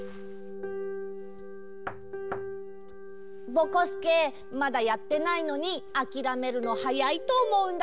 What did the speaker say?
ぼこすけまだやってないのにあきらめるのはやいとおもうんだけど。